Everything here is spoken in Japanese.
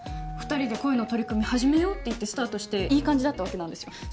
二人で恋の取り組み始めようって言ってスタートしていい感じだったわけなんですよ